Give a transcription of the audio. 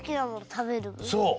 そう。